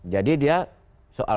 jadi dia soal